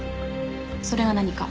それが何か？